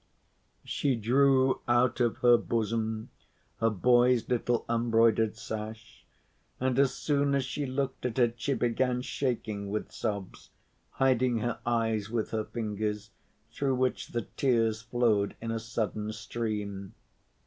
She drew out of her bosom her boy's little embroidered sash, and as soon as she looked at it she began shaking with sobs, hiding her eyes with her fingers through which the tears flowed in a sudden stream.